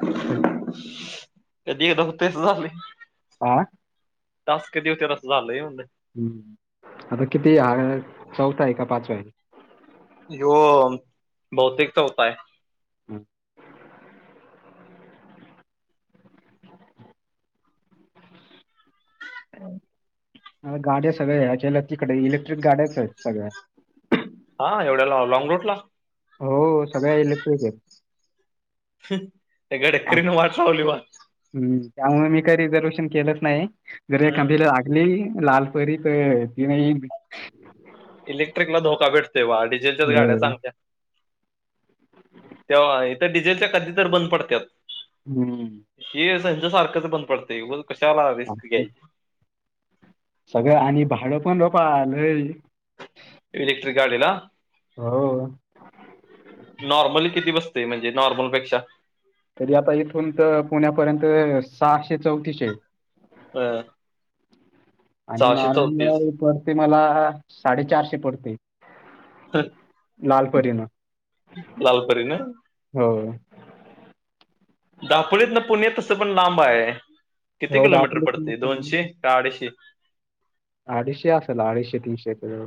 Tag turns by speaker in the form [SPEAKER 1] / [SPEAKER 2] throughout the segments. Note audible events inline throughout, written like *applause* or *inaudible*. [SPEAKER 1] कधी एकदा हुतय असं झालेय.
[SPEAKER 2] हा
[SPEAKER 1] टास्क कधी होत्यात असं झालंय म्हणलं.
[SPEAKER 2] हुं आता किती हां चौथायं का पाचवायं?
[SPEAKER 1] ह्यो बहुतेक चौथायं.
[SPEAKER 2] हुं. हुं गाड्या सगळ्या ह्याच्या इलेक्ट्रिक गाड्याचयेत सगळ्या
[SPEAKER 1] हां एवढ्या लाव लँंग रूट ला?
[SPEAKER 2] हों सगळ्या इलेक्ट्रिकयेत.
[SPEAKER 1] हुं त्या गडकरीने वाट लावली ब
[SPEAKER 2] हुं त्यामुळे मी काय रिझर्वेशन केलंच नायी. जर एखादं
[SPEAKER 1] हम्म
[SPEAKER 2] वेळेला लीयी लालपरीत ती नायी
[SPEAKER 1] इलेक्ट्रिकला धोका भेटतोय बाळ डिझेलच्या गड्या चालत्या तेव्हा इथ डिझेलच्या कधी तर बंद पडत्यात.
[SPEAKER 2] हुं.
[SPEAKER 1] हे संजसारखंच बंद पडतयं उगाच कशाला रिस्क घ्यायची.
[SPEAKER 2] सगळं आणि भाडं पण रोपा आलय.
[SPEAKER 1] इलेक्ट्रिक गाडीला
[SPEAKER 2] हो
[SPEAKER 1] नॉर्मली किती बसतय म्हणजे नॉर्मल पेक्षा?
[SPEAKER 2] तरी आता इथून तर सहाशे चौतीशे यं.
[SPEAKER 1] अ अ!
[SPEAKER 2] आणि नॉर्मल *unintelligible* पडते मला साडेचारशे पडते. लालपरीन
[SPEAKER 1] लालपरीनं
[SPEAKER 2] हो.
[SPEAKER 1] दापोलीतन पुणे तसंपण लांब हाय, किती
[SPEAKER 2] हो
[SPEAKER 1] किलोमीटर
[SPEAKER 2] दाखवलंच नाही
[SPEAKER 1] पडते दोनशे? का आडीशे?
[SPEAKER 2] अडीशे असेल, अडीशे तीनशे किलो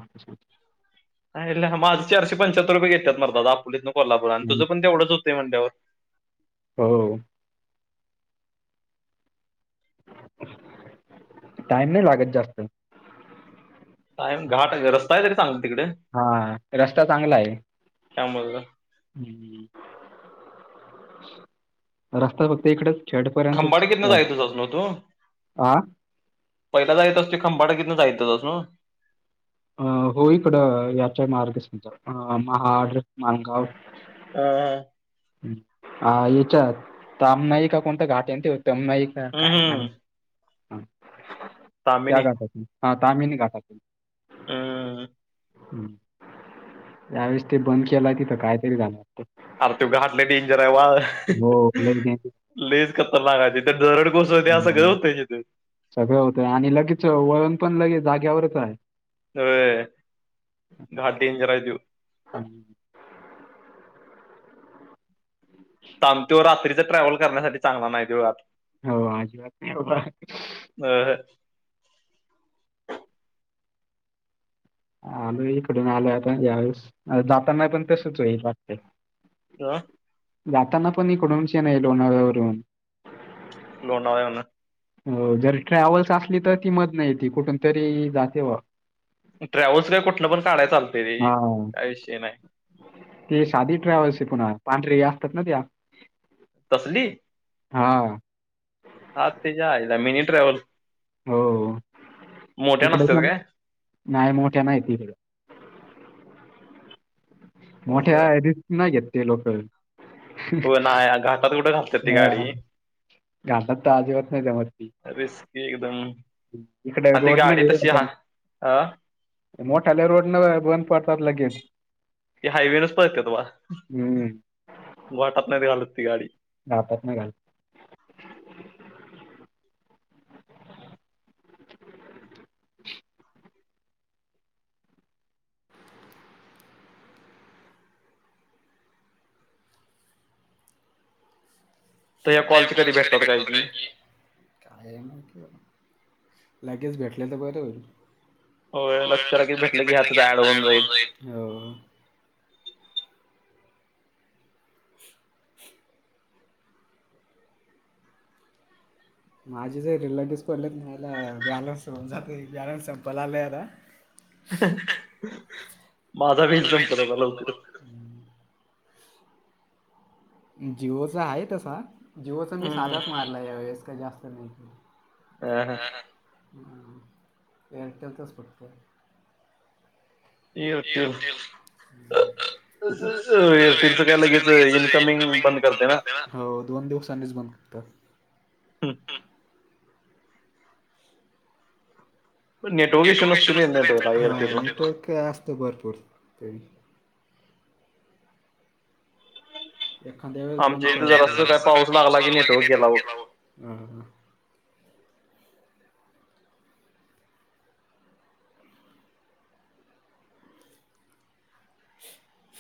[SPEAKER 1] आयला माझ चारशें पंच्याहत्तर रुपय घेतात मरदा दापोलीतन कोल्हापूर, आणि
[SPEAKER 2] हम्म.
[SPEAKER 1] तुझं पण तेवढच हुतय होतय म्हणल्यावर.
[SPEAKER 2] हो. टाइम नाय लागत जास्त.
[SPEAKER 1] टायम घाट रस्ता हाय का रे चांगला तिकड?
[SPEAKER 2] हा रस्ता चांगला हाय.
[SPEAKER 1] त्यामुळे
[SPEAKER 2] हम्म रस्ता फक्त इकडच छेडपर्यंच
[SPEAKER 1] खंबाडकीतनं जायचंच ना तू
[SPEAKER 2] *unintelligible* आ!
[SPEAKER 1] पहिला जायचचास तो खंबाटकितनं जायत हुतास नव्ह.
[SPEAKER 2] अ हो इकडं, याच्या मार्गसन महाड माणगाव.
[SPEAKER 1] आ हा!
[SPEAKER 2] हम्म, हा इचार तमनाई का कोणत घाट हाय ना तो तमनाई? काय
[SPEAKER 1] हम्म
[SPEAKER 2] नाही आ
[SPEAKER 1] तामिनी
[SPEAKER 2] त्या घाटातून तामिनि घाटातून.
[SPEAKER 1] हम!
[SPEAKER 2] हम्म त्यावेेळेस ते बंद केलाय तिथं कायतरी झालं
[SPEAKER 1] अर त्यो घाट लय डेंजर हाय वा
[SPEAKER 2] हो लय डेंजर
[SPEAKER 1] लयच खतरनाक हाय तिथ दरड कोसळत्या सगळ
[SPEAKER 2] हम्म.
[SPEAKER 1] हुतय तिथ जिथ.
[SPEAKER 2] सगळं होतय आणि लगेच, वळण पण लगेच जाग्यावरच हाय.
[SPEAKER 1] अय घाट डेंजर हाय त्यो.
[SPEAKER 2] हम्म!
[SPEAKER 1] *unintelligible* रात्रीच ट्रॅव्हल करण्यासाठी चांगला नाय त्यो आत.
[SPEAKER 2] हो आजिबात नाय बाबा.
[SPEAKER 1] ह ह!
[SPEAKER 2] आलोय इकडून आलोय पण यावेळेस जाताना पण तसच हो हुईल वाटतय.
[SPEAKER 1] अ!
[SPEAKER 2] जाताना पण इकडून *unintelligible* लोणावळ्यावरुन.
[SPEAKER 1] लोणावळ्याला.
[SPEAKER 2] हो, जर ट्रॅव्हल्स आसली, तर ती मधन यती कुठून तरी जाते व
[SPEAKER 1] ट्रॅव्हल्स काय कुठन पण *unintelligible* चाल.
[SPEAKER 2] हा! ते साधी ट्रॅव्हल्स हे पुन्हा पांढरी असतात ना त्या.
[SPEAKER 1] तसली?
[SPEAKER 2] हा.
[SPEAKER 1] हा तेच्या आईला मिनी ट्रॅव्हल
[SPEAKER 2] हो हो
[SPEAKER 1] मोठ्या
[SPEAKER 2] इकड
[SPEAKER 1] नसतात
[SPEAKER 2] पण
[SPEAKER 1] काय
[SPEAKER 2] नाय मोठ्या नायत इकडं.
[SPEAKER 1] अवघड
[SPEAKER 2] मोठ्या
[SPEAKER 1] हाय.
[SPEAKER 2] रिस्क नाय घेत ते लोकं.
[SPEAKER 1] हो नाय घाटात कुठं घालतात ती
[SPEAKER 2] हां.
[SPEAKER 1] गाडी.
[SPEAKER 2] घाटात तर आजीबात नाय जमत ती.
[SPEAKER 1] रिस्की एकदम
[SPEAKER 2] इकड रोड नाहीये *unintelligible*
[SPEAKER 1] आ!
[SPEAKER 2] मोठाले रोडन बंद पडतात लगेच.
[SPEAKER 1] ते हायवेनच पळतेत वा
[SPEAKER 2] उं.
[SPEAKER 1] ग्वाटात नाहीत ते घालत ती गाडी.
[SPEAKER 2] घाटात नाही घालत. *inaudible* तर या कॉलची कधी भेटतात काय की? काय माहिती बाबा, लगेच भेटले तर बर होईल.
[SPEAKER 1] होय
[SPEAKER 2] हो
[SPEAKER 1] लगच्या
[SPEAKER 2] लक्ष
[SPEAKER 1] लगी भेटलं,
[SPEAKER 2] लगेच
[SPEAKER 1] की ॲड
[SPEAKER 2] आता
[SPEAKER 1] होऊन
[SPEAKER 2] ऍड
[SPEAKER 1] जाईल.
[SPEAKER 2] हो. माझे जर रिलेटिव्हस पडलेत ना, बॅलन्स होऊन बॅलन्स संपायला आला आता.
[SPEAKER 1] *inaudible* माझा बी
[SPEAKER 2] वेळ
[SPEAKER 1] संपल आता
[SPEAKER 2] संपत
[SPEAKER 1] लवकरच.
[SPEAKER 2] लवकर जिओचा आहे तसा, जिओचा मी
[SPEAKER 1] हम्म हम्म
[SPEAKER 2] साधाच मारला यावेळेस काही जास्त नाही.
[SPEAKER 1] हा हा
[SPEAKER 2] अहं एअरटेलचाच फक्त.
[SPEAKER 1] एरटेल.
[SPEAKER 2] एअरटेल
[SPEAKER 1] एअरटेलचं काय लगेच इन्कमिंग बंद करतय ना.
[SPEAKER 2] हो दोन दिवसांनीच बंद होत.
[SPEAKER 1] हम्म. नेटवर्क इश्यू
[SPEAKER 2] नेटवक इशु
[SPEAKER 1] नसतील
[SPEAKER 2] नसतो रे,
[SPEAKER 1] नेटवर्कला
[SPEAKER 2] नेटवर्क
[SPEAKER 1] एअरटेलला
[SPEAKER 2] *unintelligible* नेटवर्क असतय भरपूर. एखाद्या वेळेस बंद पडतय. आमच्या इथ जरास पाऊस लागला कि, नेटवर्क गेला बघ. हं हं. *inaudible*